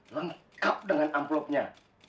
lengkap dengan amplopnya